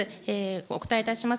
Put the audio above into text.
お答えいたします。